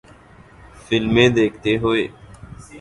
فلمیں دیکھتے ہوئے